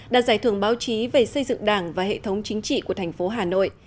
đạt giải thưởng báo chí về xây dựng đảng và hệ thống chính trị của thành phố hà nội